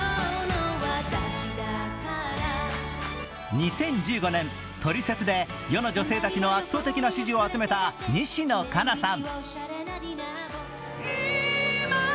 ２０１５年「トリセツ」で世の女性たちの圧倒的な支持を集めた西野カナさん。